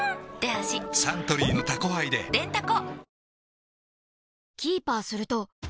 サントリーの「タコハイ」ででんタコ